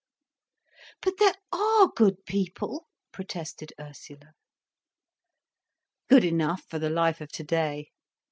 "But there are good people," protested Ursula. "Good enough for the life of today.